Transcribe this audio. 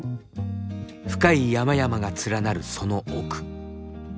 深い山々が連なるその奥。